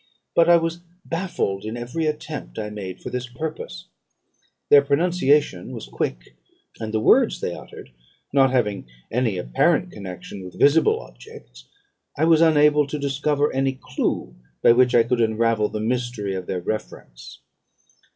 But I was baffled in every attempt I made for this purpose. Their pronunciation was quick; and the words they uttered, not having any apparent connection with visible objects, I was unable to discover any clue by which I could unravel the mystery of their reference.